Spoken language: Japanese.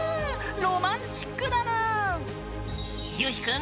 ロマンチックだぬーん！